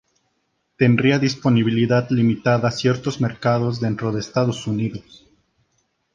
Tendría disponibilidad limitada a ciertos mercados dentro de Estados Unidos.